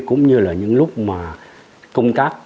cũng như là những lúc mà công tác